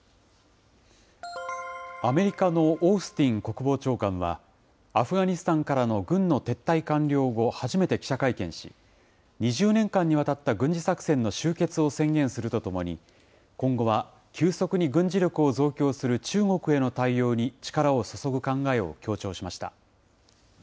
アメリカのオースティン国防長官は、アフガニスタンからの軍の撤退完了後初めて記者会見し、２０年間にわたった軍事作戦の終結を宣言するとともに、今後は急速に軍事力を増強する中国への対応に力を注ぐ考えを強調しました。